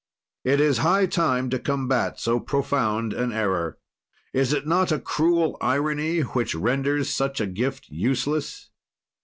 "It is high time to combat so profound an error. "Is it not a cruel irony which renders such a gift useless?